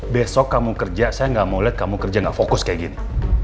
besok kamu kerja saya nggak mau lihat kamu kerja gak fokus kayak gini